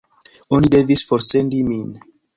Oni devis forsendi min.